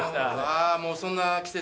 ああーもうそんな季節？